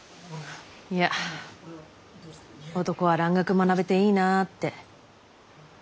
いや男は蘭学学べていいなぁって。